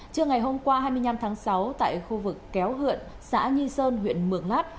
trưa ngày hôm qua hai mươi năm tháng sáu tại khu vực kéo hượn xã nhi sơn huyện mường lát